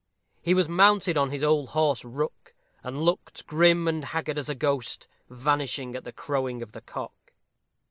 He was mounted on his old horse, Rook, and looked grim and haggard as a ghost vanishing at the crowing of the cock.